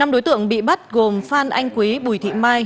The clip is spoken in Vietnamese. năm đối tượng bị bắt gồm phan anh quý bùi thị mai